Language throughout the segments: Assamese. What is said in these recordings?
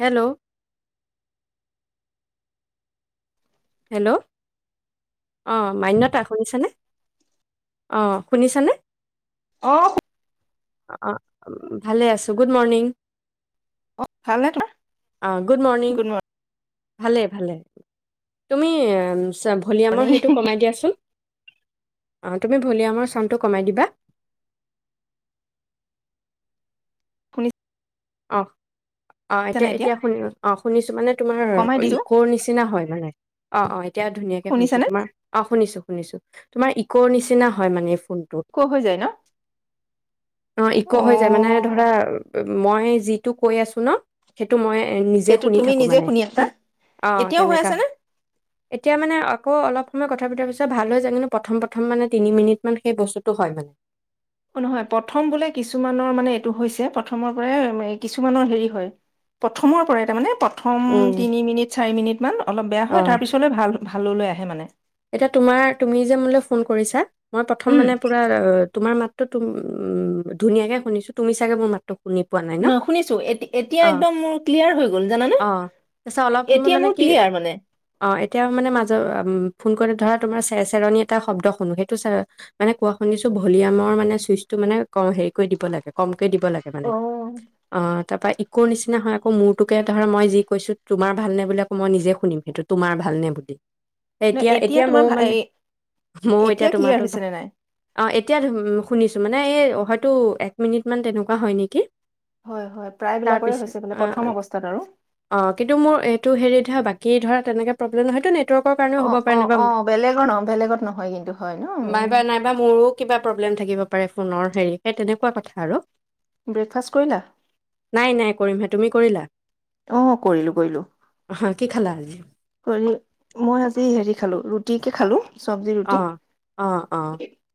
হেল্ল' হেল্ল' অঁ মান্যতা শুনিছেনে? অঁ শুনিছানে? অ অ ভালে আছো গুড মৰ্ণিং অ', ভালনে তোমাৰ? অহ গুড মৰ্ণিং ভালে, ভালে। তুমি আচ্ছা ভলিয়ামৰ মৰ্ণিং সেইটো কমাই দিয়াচোন। অঁ তুমি ভলিয়ামৰ চাউনটো কমাই দিবা শুনি অ অ এতিয়া এতিয়া শুনি অ শুনিছোঁ মানে তোমাৰ কমাই দিছো ইকোৰ নিচিনা হয়। নাই, নাই অ অ এ এতিয়া ধুনীয়াকে শুনিছোঁ শুনিছানে? তোমাৰ। আহ শুনিছোঁ শুনিছোঁ তোমাৰ ইকোৰ নিচিনা হয় মানে কোনটো? আকৌ হৈ যায় ন? অ ইকো হৈ যায় মানে অ', ধৰা মই মই যিটো কৈ আছোঁ ন, সেইটো মই নিজে সেইটো শুনি তুমি থাকো নিজে মানে, শুনি আছা? অ এতিয়াও হৈ তেনেকুৱা আছে নে? এতিয়া মানে আকৌ অলপ প্ৰথমে কথা পতাৰ পিছত ভাল হৈ যায় কিন্তু প্ৰথম প্ৰথম মানে তিনি মিনিটমান সেই বস্তুটো হয় মানে। অ নহয়, প্ৰথম বোলে কিছুমানৰ মানে এইটো হৈছে প্ৰথমৰ পৰাই কিছুমানৰ হেৰি হয়। প্ৰথমৰ পৰাই তাৰ মানে প্ৰথম উম, তিনি মিনিট চাৰি মিনিটমান অলপ বেয়া হয় অ'। তাৰপিছলৈ ভাল ভাললৈ আহে মানে এতিয়া তোমাৰ তুমি যে মোলৈ ফোন কৰিছা মই প্ৰথম উম, মানে পুৰা তোমাৰ মাতটো তুম- উম ধুনীয়াকে শুনিছোঁ তুমি চাগে মোৰ মাতটো শু শুনি পোৱা নাই ন? শুনিছো এতিয়া অঁ একদম মোৰ ক্লিয়াৰ হৈ গ'ল জানানে? অঁ পিছে অলপ সময় এতিয়া মানে মোৰ কি ক্লিয়াৰ মানে। অঁ এতিয়া মানে মাজত মানে ধৰা তোমাৰ চেৰ-চেৰনি এটা শব্দ শুনো সেইটো মানে কোৱা শুনিছোঁ ভলিয়ামৰ মানে ছুইচটো ক-মানে হেৰি কৰি দিব লাগে কম কমকৈ দিব লাগে মানে। অ', অ তাৰ পৰা ই ইকোৰ নিচিনা হয় আকৌ মোৰটোকে ধৰা মই যি কৈছো তোমাৰ ভালনে বুলি আকৌ মই নিজে শুনিম সেইটো তোমাৰ ভালনে বুলি। ন এতিয়া এতিয়া তোমাৰ মইয়ো ভা- মানে, মইয়ো এতিয়া ক্লিয়াৰ তোমাৰটোৰ হৈছে পৰা নে নাই? অ এতিয়া শুনিছোঁ মানে এই টো এক মিনিট মান তেনেকুৱা হয় নেকি? হয় হয় তাৰ প্ৰায়বিলাকৰে পিছত হৈছে বোলে প্ৰথম অ', অৱস্থাত আৰু। অ', কিন্তু মোৰ এইটো হেৰিত ধৰা বাকী এই ধৰা তেনেকৈ প্ৰব্লেমহয়তো নেৱৰ্ক অ', অ', অ', বেলেগৰ নহয় বেলেগত নহয় কিন্তু হয় ন'। নাইবা নাইবা মোৰো কিবা প্ৰব্লেম থাকিব পাৰে ফোনৰ হেৰি, সেই তেনেকুৱা কথা আৰু। ব্ৰেকফাষ্ট কৰিলা? নাই নাই কৰিমহে তুমি কৰিলা? অ, ' কৰিলো কৰিলো অ', কি খালা আজি? কৰি মই এই হেৰি খালো, ৰুটিকে খালো। চব্জি ৰুটি। অ', অ', অ,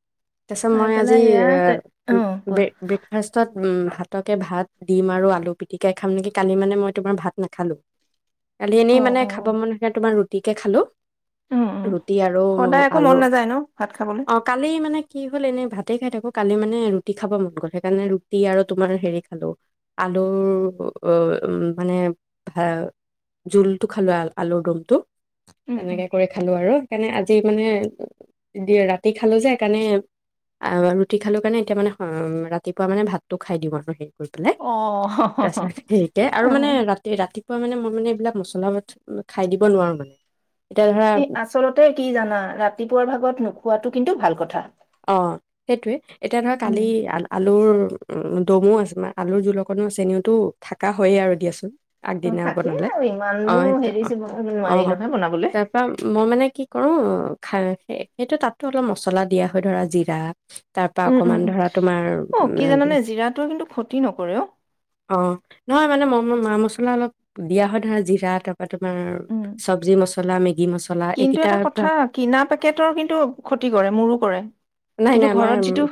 ' তাৰপিছত খাই মই আজি পেলাই এয়া এ, তে অ ব কোৱা ব্ৰেকফাষ্টত উম ভাতকে ভাত দিম আৰু আলু পিটিকাই খাম নেকি? কালি মানে মই তোমাৰ ভাত নাখালো। কালি অ এনেই মানে অ খাব মন খে তোমাৰ ৰুটি তিকে খালো। উম উম ৰুটি আৰু সদায় আকৌ মন আলু, নাযায় ন ভাত খাবলৈ। অ', কালি মানে বলে এনেই ভাতে খাই থাকো কালি মানে ৰুটি গ'ল এনেই ভাতেই খায় থাকো, কালি মানে ৰুটি খাব মন গ'ল, সেইকাৰণে ৰুটি আৰু তোমাৰ হেৰি খালো আলুৰ অ মানে জোলটো খালো আলুৰ দমটো। উম উম তেনেকে কৰি খালো আৰু, সেইকাৰণে আজি মানে দিয়ে ৰাতি ৰুটি খালো যে, সেইকাৰণে অ', ৰুটি খালো কাৰণে এতিয়া মানে ৰাতিপুৱা মানে ভাতটো খাই দিওঁ আৰু আহি। গৈ পেলাই অ তাৰপিছত সেকে আৰু মানে ৰাতি ৰাতি মানে মই মানে এইবিলাক মছলা খাই দিব নোৱাৰো মানে। এতিয়া ধৰা এ আচলতে কি জানা ৰাতিপুৱাৰ ভাগত নোখোৱাতো কিন্তু ভাল কথা। অ', সেইটোৱে। এতিয়া ধৰ উম কালি আল-আলুৰ উম, দমো আছে মে আলুৰ জোল অকণো আ চেনিওতো থাকা হয়য়ে আৰু দিয়াচোন। অ', আগদিনা থাকেই বনালে আৰু অ ইমানো সেইটো হেৰি অ চিব নোৱাৰি নহয় বনাবলে। কৰো খাই সেইটো তাতো অলপ মছলা দিয়া ধৰা জিৰা তাৰ পৰা উম, উম, অকমান উম। ধৰা তোমাৰ, অ', কি জানানে জিৰাটোৱে কিন্তু ক্ষতি নকৰে অ'। অ, ' নহয় মানে মা মছ অলপ অলপ দিয়া হয় ধৰা, জিৰা তপ উম, মছলা কিন্তু এইকেইটা এটা ধৰা কথা কিনা পেকেটৰ কিন্তু ক্ষতি কৰে, মোৰো কৰে। নাই কিন্তু নাই আমাৰ ঘৰত যিটো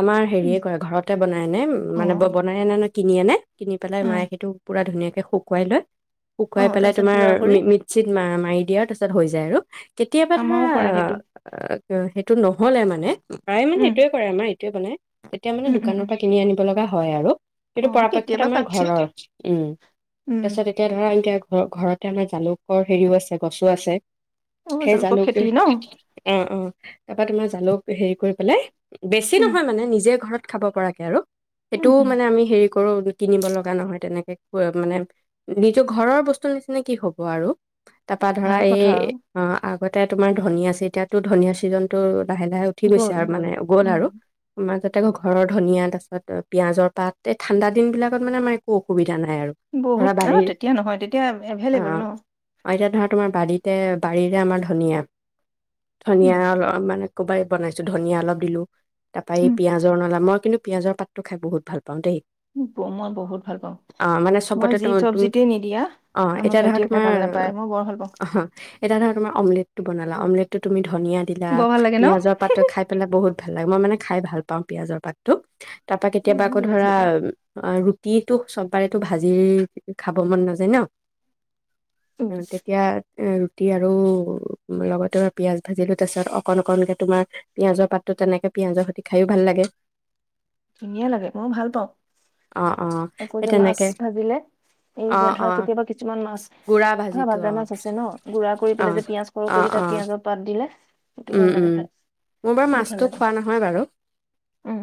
আমাৰ উম, হেৰিয়ে কয় ঘৰতে বনাই ন মানে অ', বনাই ন কিনি আনে কিনি পেলাই উম, মায়ে সেইটো পুৰা ধুনীয়াকে শুকুৱাই লৈ শুকুৱাই অ', পেলাই তাৰপিছত তোমাৰ গুড়া কৰি মিক্সিত মা মাৰি দিয়া তা [unintelligible] হৈ যায় আৰু কেতিয়াবা আমাৰও কৰে সেইটো। ধৰা সেইটো নহলে মানে প্ৰায়ে মানে উম, এইটোয়ে কৰে আমাৰ এটোয়ে বনাই। এতিয়া মানে উম, উম, দোকানৰ উম। পৰা কিনি আনিব লগা হ হয় আৰু সেইটো অ', পৰাপক্ষত কেতিয়াবা আমাৰ কাটচিত। ঘৰৰ উম উম, তাৰ পিছত এতিয়া ধৰা এতিয়া ঘ ঘৰতে আমাৰ জালুকৰ হেৰিও আছে গছো আছে। অ', সেই জালুকৰ জালুকো খেতি ন? অ অ তাৰ পৰা তোমাৰ জালুক হেৰি কৰি পেলাই বেছি উম, নহয় মানে নিজে ঘৰত খাব পৰাকে আৰু উম, সেইটোও উম, মানে আমি হেৰি কৰো কিনিব লগা নহয় তেনেকে মানে নিজৰ ঘৰৰ বস্তুৰ নিচিনা কি হ'ব আৰু তাৰপা ধৰা ভাল এই কথা আৰু অ [unintelligible] তোমাৰ ধনীয়া [unintelligible] চিজনটোত লাহে লাহে উঠি গৈছে গ'ল আৰু মানে গ'ল উম। আৰু [unintelligible] তাকো ঘৰৰ ধনিয়া তাপাছত পিয়াজৰ পাত এই ঠাণ্ডা দিনবিলাকত মানে আমাৰ একো অসুবিধা নাই আৰু ধৰা বহুত অ বাৰীৰ তেতিয়া নহয় তেতিয়া এভেইলেবল অ ন। অ এতিয়া ধৰা তোমাৰ বাৰীতে বাৰীৰে আমাৰ ধনীয়া উম, ধনিয়া অ মানে ক'বাই বনাইছো ধনিয় অলপ দিলো তাপা এই উম, পিয়াজৰ নলা, মই কিন্তু পিয়াজৰ পাতটো খাই বহুত ভাল পাওঁ দেই। ব- মই বহুত ভাল পাওঁ। অ মানে মই চবতে যি তো তুমি চব্জিতে নিদিয়া অ আমাৰ এতিয়া ধৰা ভাইটিয়ে খাই তোমাৰ ভাল নাপায় মই বৰ ভাল পাওঁ। এতিয়া ধৰা তোমাৰ অমলেতটো বনালা অমলেতটো তুমি ধনিয়া দিলা বৰ ভাল লাগে ন? পিয়াজজৰ পাতটো খাই পেলাই বহুত ভাল লাগে মই মানে খাই ভাল পাওঁ পিয়াজৰ পাতো তাৰপা কে মই কেতিয়াব আকৌ বিৰাট ধৰা ভাল পাওঁ অ ৰুতি তোক চববাৰে তো ভাজি খাব মন নাযায় ন উম তেতিয়া উম ৰুতি আৰু লগতে। মই পিয়াজ ভাজি লো তাৰপ পিছত অকণ অকণকে তোমাৰ পিঁয়াজৰ পাতটো তেনেকে পিঁয়াজৰ সৈতে খায়ো ভাল লাগে। ধুনীয়া লাগে মইও ভাল পাওঁ, অ অ আকৌ সেই যে মাছ তেনেকে ভাজিলে এই অ যে অ ধৰা কেতিয়াবা কিছুমান মাছ গুড়া ধৰা ভাজিটো ভাজা অ মাছ আছে ন গুড়া কৰি অ পেলাই পিয়াজ সৰহ অ কৰি দি তাত অ পিয়াজৰ পাত দিলে। সেইটো উম ভাল লাগে উম খাই মোৰ বাৰু বহুত ভাল মাছটো লাগে খোৱা নহয় বাৰু। উম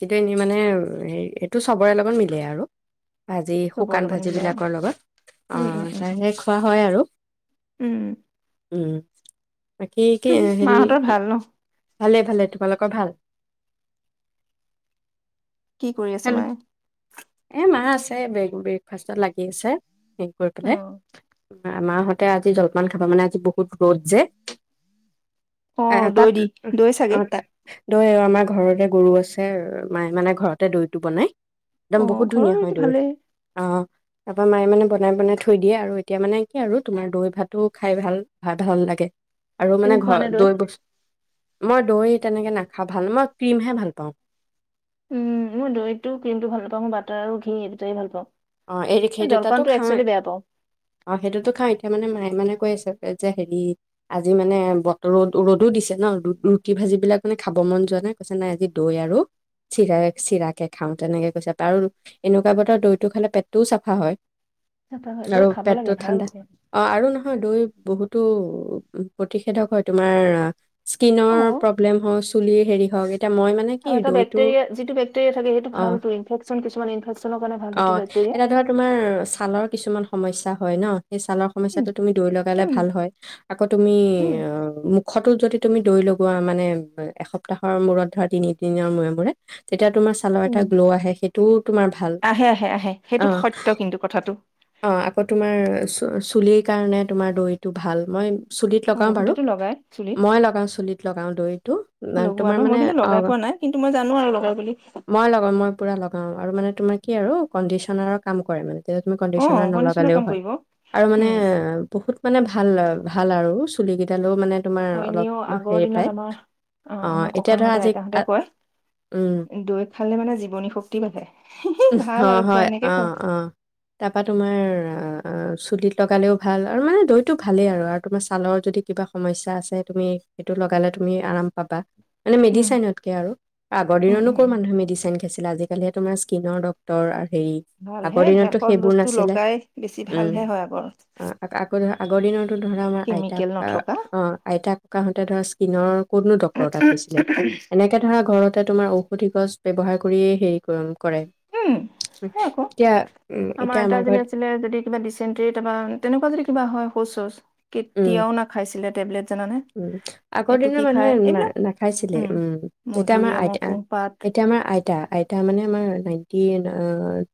কিন্তু এনেই মানে হ এইটো চবৰে লগত মিলে আৰু। ভাজি চবৰ শুকান লগত ভাজি মিলাই অ বিলাকৰ লগত উম উম আহ উম উম তাৰে খোৱা হয় আৰু উম উম। কি কি হেৰি মাহঁতৰ কি? ভাল ন ভালে ভালে তোমালোকৰ ভাল। কি কৰি আছে হেল্ল' মায়ে? এ মা আছ। ব্ৰে ব্ৰেকফাষ্টত লাগি আছে। হে কৰি অ পেলাই। মা হতে আজি জলপান খাৱ, মানে আজি বহুত ৰ'দ যে। অ এ দৈ, তাত দি দৈ অ চাগে। তাত দৈ আমাৰ ঘৰতে গৰু আছে মায় মানে ঘৰতে দৈটো বনাই। অ দম বহুত ঘৰৰ ধুনীয়া হয় দৈটো দৈ ভালেই অহ। তাৰপৰা মায়ে মানে বনাই, বনাই থৈ দিয়ে, আৰু এতিয়া মানে কি আৰু তোমাৰ দৈ ভাতো খাই ভাল ভ ভাল লাগে। আৰু মানে তুমি খোৱা ঘৰ নে দৈ বস্তু মই দৈ তেনেকে নাখাওঁ ভাল মই ক্ৰীমহে ভাল পাওঁ। উম মই দৈ টো ক্ৰীমটো ভাল নাপাওঁ মই বাটাৰ আৰু ঘি এই দুটাই ভাল পাওঁ। অ এৰি এই সেই দুটাতো জলপানটো খাওঁ একচুৱেলি বেয়া পাওঁ। অ সেইটোতো খাওঁ এতিয়া মানে মাই মানে কৈ আছে যে হেৰি আজি মানে বতৰো ৰ'দ ৰ'দো দিছে ন ৰুটি ভাঁজিবলাক মানে খাব মন যোৱা নাই, কৈছে নাই আজি দৈ আৰু চিৰা চিৰাকে খাওঁ তেনেকে কৈছে আৰু এনেকুৱা বতৰ দৈ টো খালে পেটটোও চাফা হয়। নাপাহৰি দৈ আৰু খাব পেটটো লাগে ভাল ঠাণ্ডা খুব। অ আৰু নহয় দৈ বহুতো প্ৰতিষেধক হয় তোমাৰ স্কিনৰ অ', প্ৰব্লেম হওঁক চুলিৰ হেৰি হওক এতিয়া মই মানে কি আৰু এটা দৈটো বেক্টেৰিয়া যিটো বেক্টেৰিয়াৰ থাকে সেইটো অ ভাল টো ইনফেকচন কিছুমান ইনফেক্যনৰ কাৰণ ভাল সেইটো অ', বেক্টেৰিয়া। এতিয়া ধৰা তোমাৰ ছালৰ কিছুমান সমস্যা হয় ন। সেই ছালৰ উম, সমস্যাটো তুমি দৈ লগালে উম, ভাল হয়। আকৌ তুমি উম, অ মোক মুখটোত যদি তুমি দৈ লগোৱা মানে এসপ্তাহৰ মূৰত ধৰা তিনিদিনৰ মূৰে মূৰে তেতিয়া তোমাৰ চালৰ এটা উম, 'গ্লো আহে। তো আহে আহে আহে। অ সেইটো সত্য কিন্তু কথাটো। অ আকৌ তোমাৰ চুলিৰ কাৰণে তোমাৰ দৈটো ভাল মই চুলিত অ', লগাওঁ বাৰু বহুতেতো লগাই চুলিত মই লগাওঁ চুলিত লগাওঁ দৈটো অ লগোৱা তোমাৰ ন' মই মানে কিন্তু অ লগাই পোৱা নাই কিন্তু মই জানো আৰু লগাই বুলি। মই লগাওঁ মই পুৰা লগাওঁ আৰু মানে তোমাক কি আৰু কণ্ডিচনাৰৰ কাম কৰে মানে? তুমি কণ্ডিচনাৰ অ', নলগালেও কাম হয়। কৰিব আৰু মানে উম, বহুত মানে ভাল ভাল আৰু চুলি কেইদালও মানে তোমাৰ অ' অলপ এনেও আগৰ হেৰি পায়। দিনত আমাৰ অ' আমাৰ এতিয়া ধৰা ককাহঁতে আজি আ আইতাহঁতে উম, কয়। দৈ খালে মানে জীৱনী শক্তি বা়ঢ়ে হিঃহি ভা অ' হয় অ' অ' তাৰপা তোমাৰ চুলিত লগালেও ভাল আৰু মানে দৈটো চুলিত লগালেও ভাল, আৰু মানে দৈতো ভালেই আৰু, আৰু তোমাৰ ছালৰ যদি কিবা সমস্যা আছে তুমি সেইটো লগালে তুমি আৰাম পাবা। মানে উম মেডিচাইনতকে আৰু, আগৰ উম দিনতো কৰ উম। মানুহে মেডিচাইন খাইছিলে আজি [unintelligible] তৰ আৰ ভালহে, ভেষজ বস্তু লগাই বেছি উম। ভালহে হয় আগৰ। আকৌ ধৰা আগৰ দিনত ধৰা, আমাৰ আইতাকা অ আইতা ককাাহতে ধৰা স্কিনৰ কোননো ডক্তৰ তাত গৈছিলে এনেকে ধৰা ঘৰতে তোমাৰ ঔষধি গছ ব্যৱহাৰ কৰিয়ে হেৰি কৰে। উম, সেই আকৌ এতিয়া উম আমাৰ এতিয়া আইতা এজনি ঘৰত আছিলে, যদি কিবা ডিচেণ্ট্ৰী তাৰপা তেনেকুৱা যদি কিবা হয় শৌচ শৌচ কেতিয়াও নাখাইছে। ছিল টেবলেট জানানে ও' আগৰ এইটো কি দিনৰ খাই মানুহে না এইবিলাক নাখাইছিলে। উম এতিয়া আমাৰ মধুৰিআমৰ আইতা কুহপাত এতিয়া আমাৰ আইতা আইতা তাৰ মানে আমাৰ নাইনটিন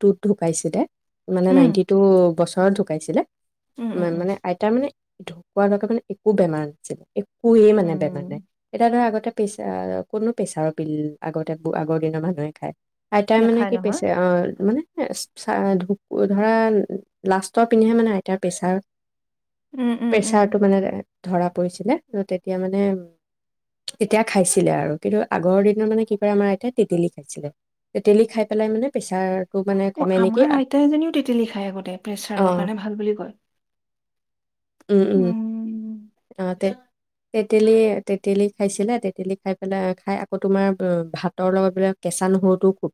টুত ঢুকাইছিলে। মানে উম নাইনটি টু বছৰ ধৰত ঢুকাইছিলে? উম উ উম উম মানে আইতাৰ মানে? ঢুকুৱা লকে মানে একো বেমাৰা নাই। [unintelligible] [unintelligible] প্ৰেচা উম কোনো প্ৰেছাৰৰ পিল আগতে আগৰ দিনৰ মানুহে খায়। আইতাই মানে নেখায় কি নহয়। পিছে অ মানে? ধৰা লাষ্টৰ পিনেহে মানে আইতাৰ প্ৰেছাৰ। উম উম উম প্ৰেছাৰটো মানে? ধৰা পৰিছিলে আৰু তেতিয়া মানে তেতিয়া হেছিলে। তেতিয়া মানে তেতিয়া খাইছিলে আৰু কিন্তু আগৰ দিনৰ মানে কি কৰে আমাৰ আইতাই তেতেলী খাইছিলে তেতেলী খাই পেলাই মানে প্ৰেছাৰ অ' আমাৰ আইতা এজনীও তেতেলী খায় আগতে, অ প্ৰেছাৰৰ কাৰণে ভাল বুলি কয়। উম উম অ তে তেতেলী তেতেলী খাইছিলে তেতেলি খাই পেলাই খাই আকৌ তোমাৰ ভাতৰ লগত বোলে কেঁচা নহৰুটোও খুব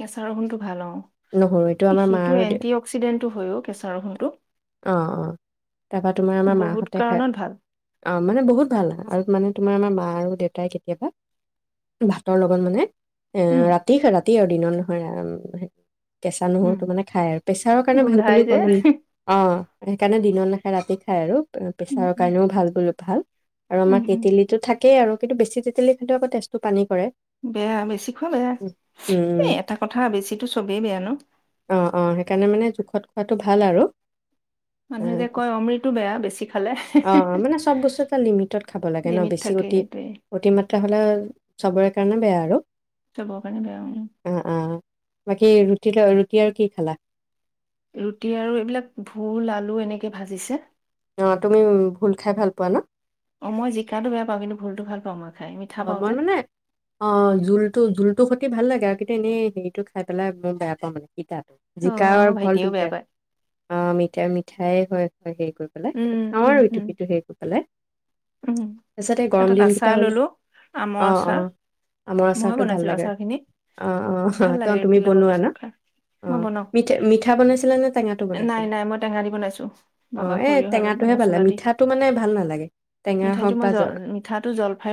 কেঁচা ৰহুনটো ভাল অ, নহৰু এইটো আমাৰ মা সেইটো আৰু দে এন্টি অক্সিডেন্টো হয়ও কেঁচা ৰহুনতটো অ অ তাৰপৰা তোমাৰ আমাৰ বহুত মাহঁতে খাই কাৰণত ভাল অ, মানে বহুত ভালে আৰু মানে তোমাৰ আমাৰ মা আৰু দেউতাই কেতিয়াবা ভাতৰ লগত মানে অ, উম ৰাতি খাৰ তেতিৰ দিনত নহয় কেঁচা নহৰু উম, তটো মানে খাই আৰু প্ৰেছাৰৰ কাৰণে ভাল গোন্ধাই বুলি যে ক'লে ন অ। সেইকাৰণে দিন নাখাই ৰাতি খাই আৰু উম, পেচাৰৰ কাৰণেও ভাল বুলি ভাল আমৰ উম, উম, কিটিলিতো থাক এক আৰু কিন্তু বেছি তেতিল খে আকৌ তেজটো পানী। কৰে বেয়া বেছি খোৱা বেয়া উম উম এই এটা কথা বেছিো চবেই বেয়া নো। অ', অ', সেইকাৰণে মানে জোখত খোৱাটো ভাল আৰু আ, মানুহে যে কয় তাৰপিছত অমৃততটো বেয়া বেছি খালে অ', অ', মানে চব বস্তু এটা লিমিটত খাব লাগে ন লিমিট বেছি থাকে অতি সেইটোৱে অতি তি হলে চবৰে কাৰণে বেয়া আৰু অ', অ'। [inaudible] বাকী ৰুট ৰুটি আৰু কি খালা? ৰুটি আৰু এইবিলাক ভোল আলু এনেকে ভাজিছে। আহ তুমি ভুল খাই ভাল পোৱা না? ভুলটো ভাল পওঁ মই। খাই মিঠা অ, পাওঁ মই যে মানে অ', জোলটো জোলটোৰ সতি ভাল লাগে। এনেই হেৰিটো খাই পেলাই মই বেয়া পাওঁ মানে শিতা। অ জিকা আৰু আমাৰ ভল ভাইটিয়েও বেয়া দুটাৰ পায় অ, ' মিঠা মিঠা। হৈ হয়। আমাৰ এইফালে উম উম উম উম গৰম এটাত দিন কেইটা আচাৰ হলে। ললো আমৰ অ', আচাৰ। অ', আমৰ ময়ে আচাৰটো ভাল বনাইছিলো লাগে আচাৰ খিনি অ, অ, ভাল লাগে অ', তুমি ৰুটিৰ লগত বনোৱা ন খাই অ, মই বনাও মিঠা মিঠা বনাইছিলা নে টেঙা? নাই নাই মই টেঙা দি বনাইছো বগা অ', এই সৰিয়হ আৰু এইবিলাক টেঙাটোহে পালা মছলা দি মিঠাটো মানে ভাল নালাগে। টেঙা মিঠাইটো হওক মই বা জ মিঠাটো জলফাই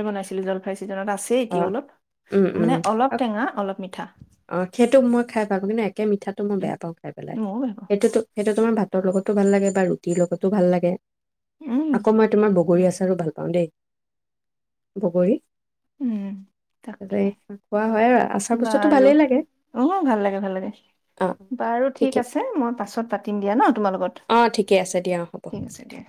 জলফাই চিজনত আছে এতিয়া অ', অলপ উম, উম, মানে অলপ অ', টেঙা অলপ মিঠা। অ, সেইটো মই খাই পাওঁ কিন্তু মিঠাটো উম মইেয়াাও খাওঁ পেলাই ময়ো বেয়া পাওঁ সেইটোতো সেইটো ভাতৰ লগতো ভাল লাগে বা ৰুটিৰ লগতো ভাল লাগে। উম আকৌ মই তোমাৰ বগৰী আছো। আৰু ভাল পাওঁ দেই বগৰী উম তাৰপিছত তাকে এই খোৱা হয় আৰু আচাৰ বস্তুটো বাৰু ভালেই লাগে। অ ভাল লাগে ভাল লাগে অ', বাৰু ঠিকে ঠিক আছে মই পাছত পাতিম দিয়া ন তোমাৰ লগত অ', ঠিকে আছে দিয়া অ', হ'ব। ঠিক আছে দিয়া।